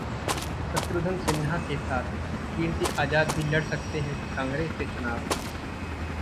शत्रुघ्न सिन्हा के साथ कीर्ति आजाद भी लड़ सकते हैं कांग्रेस से चुनाव!